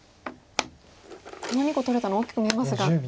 この２個取れたの大きく見えますが黒３つも。